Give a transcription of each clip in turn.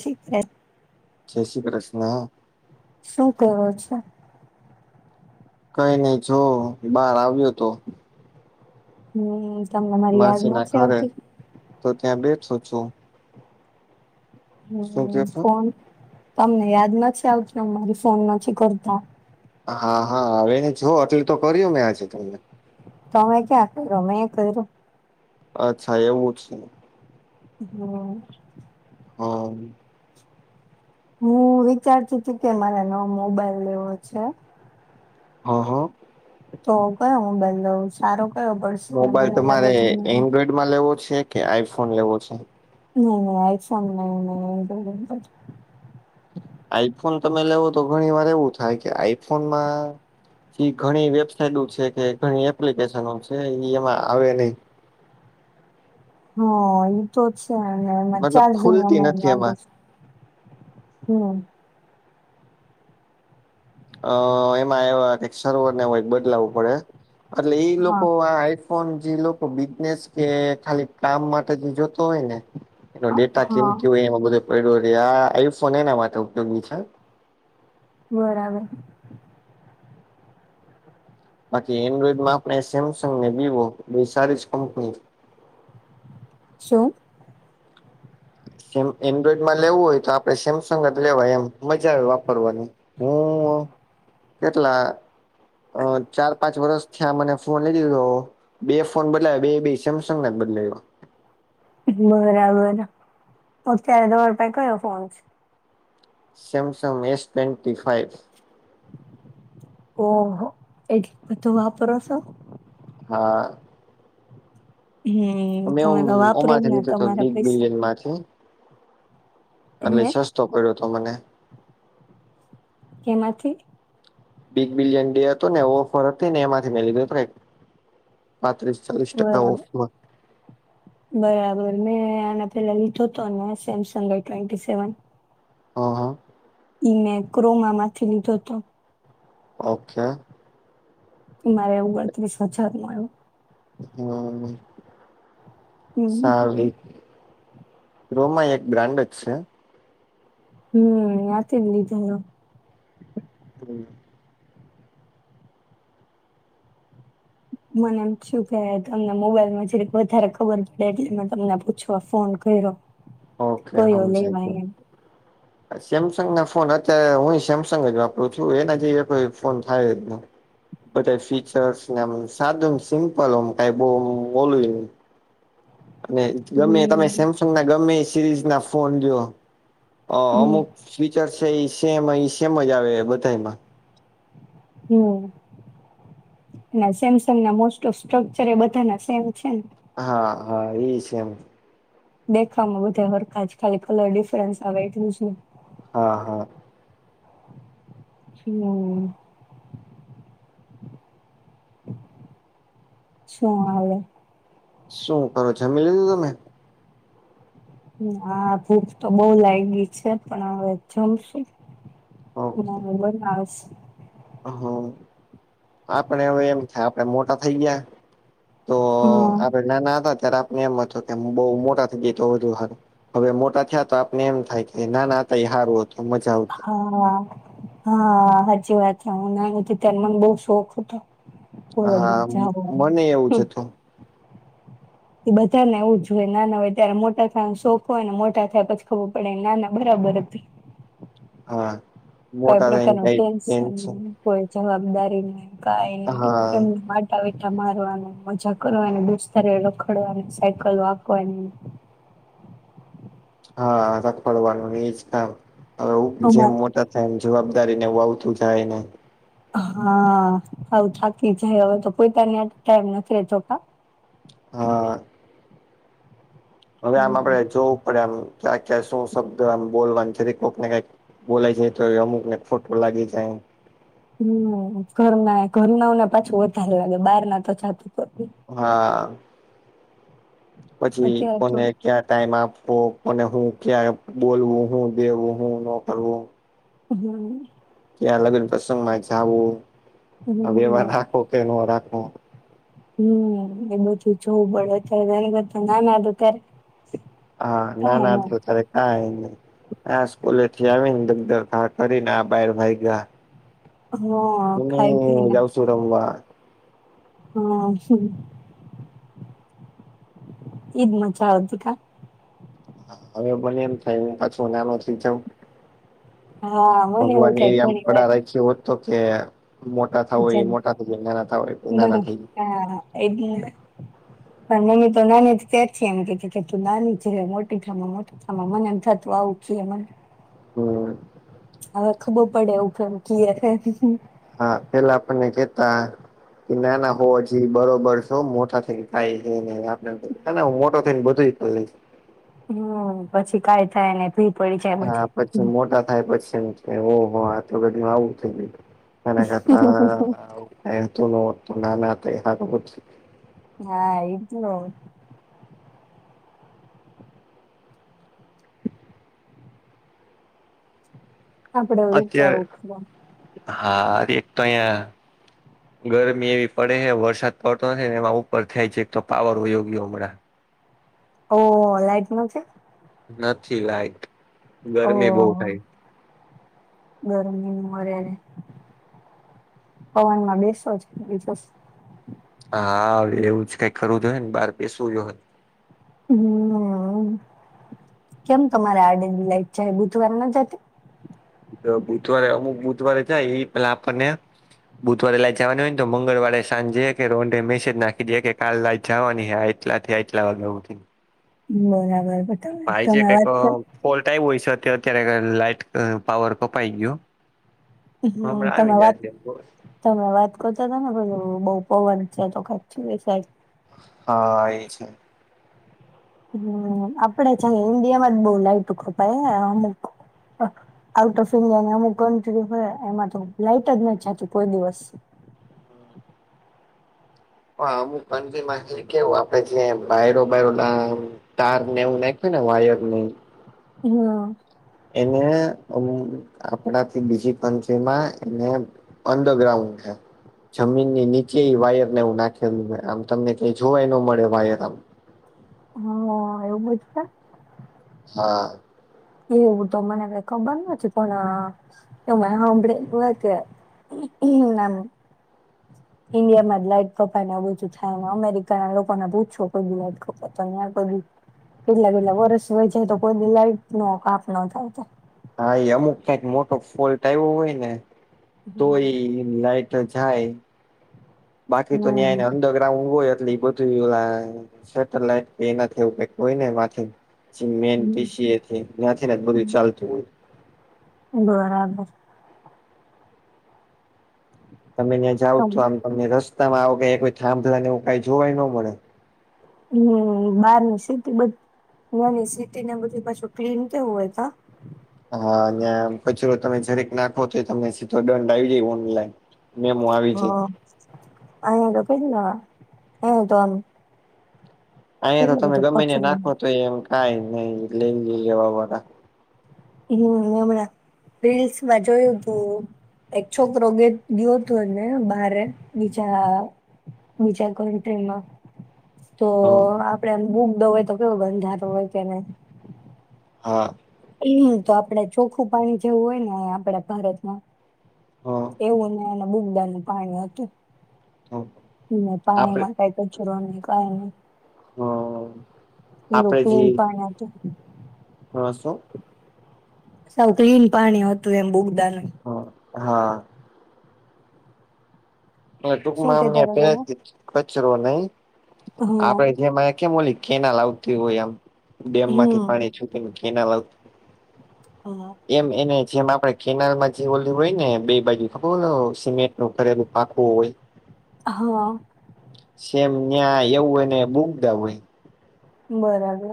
શ શ. જય શ્રી કૃષ્ણ. શું કેવો છે. કઈ નઈ છ બાર આવ્યો તો. હમ. તમને મારી યાદ માનસી ના નથી ઘરે આવતી તો ત્યાં બેઠું છું. શું હમ કે છો ફોન તમને યાદ નથી આવત અ મારી ફોન નથી કરતા. હા હા હવે એને જો અટલ તો કર્યું મેં આજે તમને. [inaudible] અચ્છા એવું જ છે. હમ. હા. હું વિચારતી તું કે મારે નવો મોબાઈલ લેવો છે. હા હા. તો કયો મોબાઈલ લઉ સારો કયો પડ? મોબાઈલ તમારે એન્ડ્રોઈડમાં લેવો છે કે આઈફોન લેવો છે? નહી નહી [inaudible] આઈફોન તમે લેવો તો ઘણી વાર એવું થાય કે આઈફોન માં. ઘણી વેબસાાઈટ છે કે ઘણી એપ્લિકેશનો છે એમાં આવે નહી. હ એતો છે અને એમાં મતલબ ચાજિંગ ખુલતી મે નથી એમાં વાંધો છે. હમ. [unintelligible] બદલાવવું પડે એટલે ઈ લોકો હા આ. પણ જે લોકો બિઝનેસ કે ખાલી કામ માટે જે જોતો હોય ને. એ ડેટા કેમ હા કે હોય એમાં બધો પડ્યો રે આ આઈફોન એના માટે ઉપયોગી છે. બરાબર. બાકી એન્ડ્રોઈડમાં આપણે સેમસંગ ને વિવો એ સારી જ કંપની. શું? એન્ડ્રોઈડ માં લેવું હોય તો આપણે સેમસંગ જ લેવાય એમ મજા આવે વાપરવાની. હું કેટલા ચાર પાંચ વર્ષ ત્યાં મને ફોન લઈ દીધો બે ફોન બદલાયો બે બે સેમસંગ ના જ બદલાયો. બરાબર અત્યારે તમારી પાય કયો phone? Samsung S twenty five. ઓહો એટલી [inaudible] વાપરો છો હા. હે મેં તમે તો ઓમ- વાપરો ઓમાંથી જને લીધો હતો તમારા બિગ પૈસા. [inaudible] એટલે હે સસ્તો પડ્યો તો મને, કે માંથી? બિગબિલિયન ડે હતો ને ઓફર હતી, ને એમાંથી મેં લીધો હતો, એક પાંત્રીસ ચાલીસ ટકા બરાબર ઓફર બરાબર મેં આને પેલા લીધો હતો, ને સેમસંગ આ ટ્વેન્ટી સેવન. હા હા ઈમે ક્રોમા માંથી લીધો હતો. ઓકે. મારે ઓગણત્રીસ હજારનો આવ્યો. હું હમ સારું. રોમા એક બ્રાન્ડજ છે. હું ન્યાયથી જ લીધે લો. હું. મને એમ છું, કે તમને મોબાઈલમાં જ વધારે ખબર પડે એટલે મેં તમને પૂછવા ફોન કર્યો. કયો લેવાય એમ? સેમસંગના ફોન અત્યારે હું સેમસંગ જ વાપરું છું, એના જ કોઈ ફોન થાય જ નહીં. બધા ફીચર્સને એમ સાદું સિમ્પલ કંઈ બહુ ઓલું અને ગમે તમે હમ સેમસંગ ના ગમે સિરીઝ ના ફોન લ્યો, હમ અમુક સ્વીચર છે, એસેમ એસેમજ આવે બધામાં, હું અને સેમસંગ ના મોસ્ટઓફસ્ટ્રકચર એ બધાના સેમ છે, ને? હા, હા, ઈ સેમ, દેખાવમાં બધા સરખા ખાલી કલર ડિફરન્સ આવે એટલુંજને. હા, હા. હું. શું હાલે. શું કરો છો, જમી લધું તમે. હા ભૂખ તો બહુ લાગી છે, પણ હવે જમશું. અને હવે બનાવીસ. હ આપડે હવે એવું થાય આપડે મોટા થઈ ગયા. તો આપડે હા નાના હતા, ત્યારે આપને એમ હતું કે બઉ મોટા થઈ ગયા તો વધુ સારું. હવે મોટા થયા તો આપને એમ થાય કે નાના હતા એ હારું હતું. મજા આવતી હા, હા હાચી વાત છે, હું નાની ત્યારે બહુ શોખ હતો. કોલેજમાં હા જાવાનો. મને એવુંજ હમ્મ હતું. એ બધાને એવું જ હોએ નાના હોય ત્યારે મોટા થાયનો શોખ હોય ને મોટા થાય પછી ખબર પડે નાના બરાબર હતી. અવે. કંઈ પ્રકાર નો ટેન્શન હોએ જવાબદારી ને કંઈ નહીં હા એમને માટે તાવિથા મારવાનું મજા કરવાને દૂસ્તરે રખડવાની સાયકલ હાકવાની હા રખડવાનું ઇજ થાય હવે જેમ અમાર મોટા. એમ જવાબદારીને આવતું જાયને. હા સાવ થાકી જઈ હવે તો કોઈ કને ટાઈમ નથી લેતો. હા. હવે આમ આપડે હમ જોવું પડે આમ ક્યાં ક્યાં શું શબ્દ આમ બોલવા જીરીક કોકને કંઈક. બોલાય જાય તો એ અમુકને ખોટું લાગી જાય. હું ઘરના ઘરનાવોને પાછું વધારે લાગે બહાર નાતો જાતું કરીદે. હા. પછી અત્યારે તો કોને. ક્યાં ટાઈમ આપવો કોને હું ક્યાં બોલવું હું દેવું હું નો કરવું. હું. કેયાં લગન પ્રસંગ માં જાવું આ વ્યવહાર હમ રાખો કે ન રાખો. હમ એ બઘું જોવ પડે ત્યારે કર ના ના ત્યારે. હા ના હતા કાઈ ત્યારે. કાઇ ની આ સ્કુલે થી આવીને દગદર ઘા કરીને આ બાર ભાઈ ગયા. હા ખાઈ પીને ને. જો રમવા. હા. ઈજ મજા આવતી કા. હા હવે મને એમ થાય હું પાછું નાનો જઉં. હા. મને એવું ભગવાન એ થાય આમ ઘણી વાર પડા રાખ્યો હો તો કે. થા હોય જેમ એ મોટા થઈ જાય નાના થ હોય નાના થઈ. એટલી પણ મમ્મી તો નાની ત્યારથી એમ કતી કે તું નાની રે મોટીમાં મો આમ મને એમ થતુ આવુ જ એમને. હમ. હવે ખબર પડે એવું કેમ કે. હા પેલા આપણને કેતા. કે નાના હોવવા જ બરોબર છે મોટા થઈ થાય છે આપ. એ હું મોટો થઈને બધું જોઈ લઈશ. હમ પછી કાય થાય ને ભી. પડી જાય હા બધી પછી મોટા થાય પછી એમ થીયુ ઓ હો આ તો કેટલુ આવું થય ગયું. મને હતા એતો નતું ના ના આ ત [inaudible] હબત હા એજ ને. આપડે વિચારું પણે. હારે એક તો અહંયા. ગરમી એવી પડે હ વરસાદ પડતો નથી ને એમાં ઉપર થાય છે એક તો પાવર હોયોગીમડાં. ઓ લાઈટ ન છે. નથી લાયક ઓ ગરમી બહ થાય. ગરમી નું વરેરે પવનમાં બેસો છે બ. હાવે એવું જ કઈ કરરું જો હોય ને બાર બેસવું જો હોય. હમ કેમ તમારે આડેની લાઈટ છે બુધવાર ના જતી. બુધવારે અમુક બુધવારે જાય એઈ પેલા આપણને. બુધવારે લઇટ જવાની હોય ને તો મંગળવારે સાંજે કે રોન્ે મેસેજ નાખી દે કે કાલ લઇટ જવાની. એટલા થી આ એટલા વાગે. બરાબર ત તમે વાત કર. ઓલ્ટાઈ હોય છે અત્યારે લાઈટ પાવર કપાઈ ગયયો. હ હમ હમણાં તમે આવી ગયા વાત છે બ. તમે વાત કરતા હતા ને પ બઉ પવન છે તો કચ સા. હા એ છે. હમ આપડે છે હિન્દીિયામાં જ બોલાવી તું કે ભાઈ અમુક. આઉટ ઓફ ઈન્ડિયા ને અમુક કન્ટ્રી હોય એમાં તો લાઈટ જ નથીતું કોઈ દિવસ. હ હમુ પ મા કેવું આપડે જે બાયરો બાયરો ડ. તાર ને એવું નાખ ને વાયર નહ. હમ. એને આપડાથી બીજી પંચમાં એને. અન્ડર ગ્રાઉન્ડ હૈ. જમીન ની નીચે એ વાયર નેવું નાખેલું આમ તમને ક જોવાય ન મળે વાયર આમ. હ એવું બજતા. હા. એવ તો મને વખ બંધ વચપના એવ અ આપળે હ નામ ઈન્ડિયામાં જ લાઈટ કપા ને બધું થાય ને અમેરિકા ના લોકોને પૂછો કોઈ બ લાઈટ કપા તો કેટલા કેટલા વર્ષ હોય જાય તો કોઈ લાઈટ નો કાપ ન થાય હા એ અમુક કંઈક મોટો ફોલ્ટ આવ્યો હોય ને તો હમ્મ. ઈ લાઈટ જાય બાકી તો ન્યાયને અંદો ઊઘ હોય એટલી બધું એ સેટેલાઈટ એના થવું હોય ને માથે મેન પીસી એ ત્યાંથી ને બધું ચાલતું હોય બરાબર તમે ત્યાં જાવ તો હમ્મ આમ તમને રસ્તામાં આવો ક કોઈ થાંભલા ને એવું કઈ જોવાય ન મલે હમ બારની સીટી બ નાની સીટી ને બધી પાછું ક્લીન કેવું હોય તા હા અને કચરો તમે જરીક નાખો તો તમને સીધો દંડ આવી જાય ઓનલાઈન મેં હ અહી તો કે ના એ તોમ અહીંયા તો તમે ગમેને કચરો નાખો હમ્મ તો એમ કઈ ન લ લેવા હતાા હમ હમણાં રીલ્સમાં જોયું તું એક છોકરો ગ ગયો હતોને બારે બીજા બીજા કન્ટ્રીમાં તો આપડેમ બુક દ હોય તો કેવો ગંધારો હોય કે નહી હા એમ તો આપડે ચોખ્ખું પાણી જેવું હોય ને આપડા ભારતમાં હા એવું ને એને બુગડા નું પાણી હતું હા આપડે પાણીમાં કઈ કચરોો નહી કઈ નઈ હ એ આપડે જે લોકોલીન પણ હા હું? - ક્લીન પાણી હતું એમ બુગદાનું હ હા શું ટૂંકમાં અમને કેતા હતા પેલા તમે કચરો નહી હા આપડે જે કેલી કેનાલ આવતી હોય આમ ડેમ માંથી હમ પાણી છૂટીને કેનાલ આવતી [inaudible] એમ એને જેમ આપડે કેનાલમાં જે ઓલી હોય ને બે બાજુ ખબર સિમેન્ટ ન ઘરેલું પાકું હોય હા સેમ ન્યાં એવું હોય ને બુકદા હોય બરાબર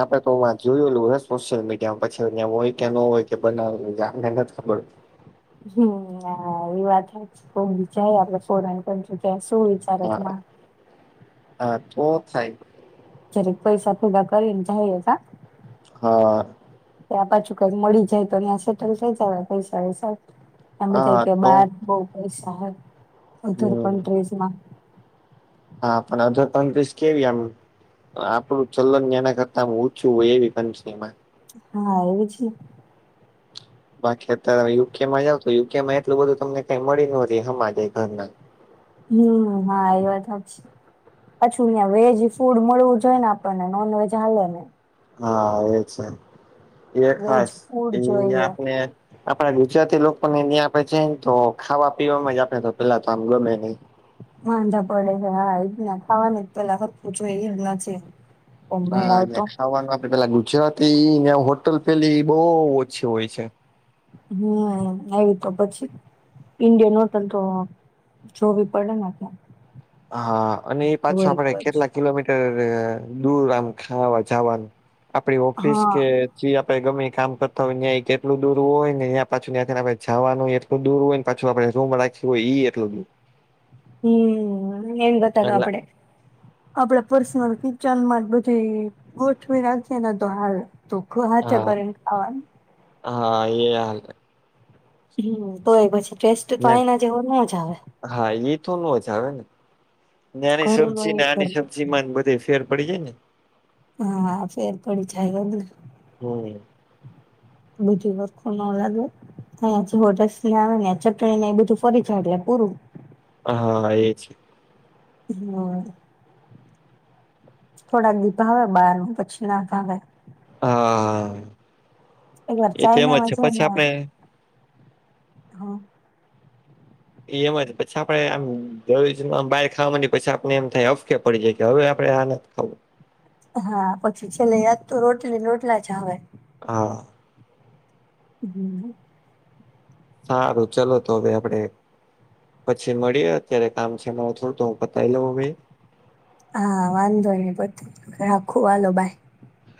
આપડ તો જોયેલું હ સોશિયલ મીડિયામાં પછી અ હોય કે ન હોય કે બનાવેલ આપને નથી ખબર હમ એ વાત કો બીજાય આપડે ફોરણ પણ ત્યાં સુું હા હા તો થાય જ્યારે પૈસા પોડા કરીને જાયએ હા હા ત્યા પાછું કઈક મળી જાય તો સેટલ થઈ જ પૈસા વૈસા આ બધા હા કે તો બાર બ પૈસા હોયધર હમ કન્ટ્રીમાં હા પણ અડધો ત્રણ ત્રીસ કેવી આમ આપડું ચલન એના કરતા ઓછું હોય એવી કંનત્રીમા હા એવી છે. બાકી અત્યારે યુકેમાં જાવ તો યુકેમાં એટલું બધું તમને કઈ મળી ન હમાજ ઘરના હમ હા એ વાત જ છે પછું અં વેજ ફૂડ મળવું જોઈ ને આપણને નોન વેજ હાલે ને હા એ છે એ વેજ ખાસ એ ફૂડ જોઈએ આપણે આપણા ગુજરાતી લોકોને અહં આપડે છેને તો ખાવા પીવાવામાં જ આપડે તો પેલા તો આમ ગમે નહ વાંધા પડે છે હા એ જ ના ખાવાનું પેલા ખરું જો નથી ઓ મેળ હા અને આવતો ખાવાનું આપડે પેલા ગુજરાતી ને હોટલ પેલી બહ ઓછી હોય છે. હમ આવી તો પછી ઇન્ડિયન હોટલ તો જોવી પડેને ક્યા. હા અને એ પાછ આપડે કેટલા કિલોમીટર દૂર આમ ખાવા જવાનું. આપડી ઓફિસ હા કે જે આપણે ગમે એ કામ કરતા હોય કેટલું દૂર હોય ને ત્યાં પાછું નેંખને આપણે જવાનું. દૂર હોય પાછું આપડે રાખી હોય એટલું દૂર- હમ એન ગતાગવા એટલે આપડે- આપડા પર્સનલ કિચનમાં બધી ગોઠવી રાખીએ ને તો હાલ દુઃખ હ હત્યા હા કરને ખવા. હા એ હાલ. હમ તોય પછી ટેસ્ટ તો આના જેવો ન જ આવે. હા એ થો નો જ આવે ને નાની ઘરનો સબ્જી ને ના નાની ઘરનો સબ્જી બધે ફેર બળિયાને. હા ફેર પડી છેાય ગ. હમ. બધી વસ્ખુ ન લાગે અ હોટસ ને આવે ને ચટણી ને એ બધું ફરી ચડ્યા પૂરું. હા એ છે. હમ. થોડાક દીભાવ બહાર ન પછી નાથ આવે. હા એકવાર એ તો એમ જ ચાઈનામાં છે. પછી જઈને આપણે. હા. એ એમ હો પછી આપડે આમ. જરૂરમ બાર ખાવા ની પસા આપને એમ થાય અફકે પડી જાય હવે આપડે આ ના ખાવું. હા, પછી ચલે, યાદ તો રોટલી રોટલા છે હવે. હા. હમ. સારું, ચલો, તો હવે આપડે. પછી મળી અત્યારે કામ છે, મા થોડું તો હું પતાવી લઉ, ભાઈ. હા, વાંધો ને પ રાખો વાલો બાય.